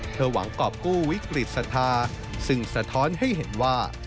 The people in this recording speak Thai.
เพื่อหวังกรอบกู้วิกฤตศรัทธาซึ่งสะท้อนให้เห็นว่า